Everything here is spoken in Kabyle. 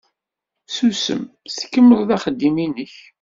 Susem, tkemmled axeddim-nnek.